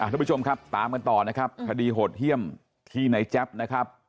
ทุกผู้ชมครับตามกันต่อนะครับคดีโหดเยี่ยมที่ในแจ๊บนะครับ